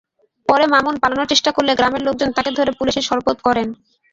পরে মামুন পালানোর চেষ্টা করলে গ্রামের লোকজন তাঁকে ধরে পুলিশে সোপর্দ করেন।